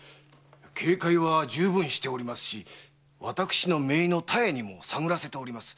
警戒は充分しておりますし私の姪の多江にも探らせております。